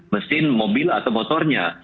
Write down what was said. mesin mobil atau motornya